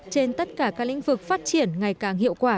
trên tất cả các lĩnh vực phát triển ngày càng hiệu quả